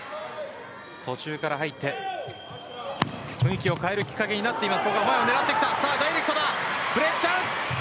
途中から入って雰囲気を変えるきっかけになっています。